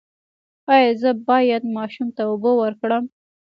ایا زه باید ماشوم ته اوبه ورکړم؟